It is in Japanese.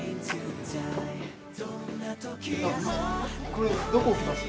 これどこ置きます？